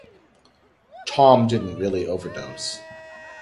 Tom didn't really overdose.